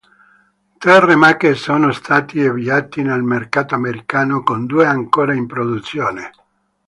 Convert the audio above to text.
Tre remake sono stati avviati nel mercato americano, con due ancora in produzione.